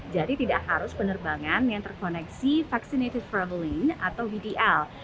jadi tidak harus penerbangan yang terkoneksi vaccinated travel lane atau vtl